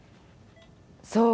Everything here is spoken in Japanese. そう。